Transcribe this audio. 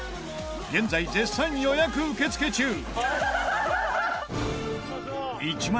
現在絶賛予約受付中！